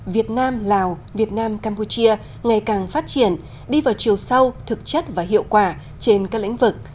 việt nam lào việt nam campuchia ngày càng phát triển đi vào chiều sâu thực chất và hiệu quả trên các lĩnh vực